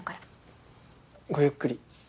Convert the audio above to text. ごゆっくり。